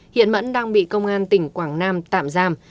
hiện mẫn đang bị công an tỉnh quảng nam tạm giam